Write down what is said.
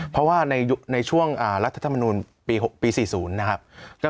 เพราะว่าในช่วงรัฐธรรมนูลปี๔๐นะครับ